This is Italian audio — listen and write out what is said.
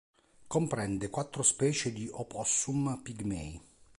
Comprende quattro specie di opossum pigmei.